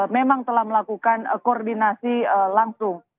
memang telah melakukan koordinasi langsung